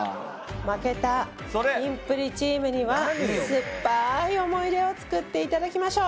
負けたキンプリチームには酸っぱい思い出を作っていただきましょう。